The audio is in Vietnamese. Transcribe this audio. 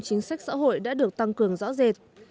chính sách xã hội đã được tăng cường rõ rệt